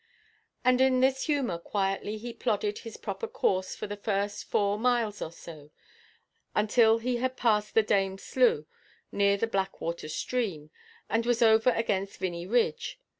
And in this humour quietly he plodded his proper course for the first four miles or so, until he had passed the Dame Slough, near the Blackwater stream, and was over against Vinney Ridge.